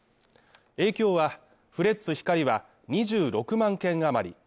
今日は、フレッツ光は２６万件あまり。